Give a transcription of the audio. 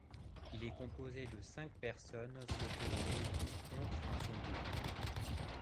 Il est composé de cinq personnes se tenant debout contre un fond blanc.